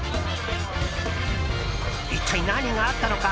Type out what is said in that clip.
一体、何があったのか？